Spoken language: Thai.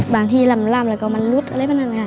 บางทีร่ำแล้วก็มันลุดอะไรแบบนั้นค่ะ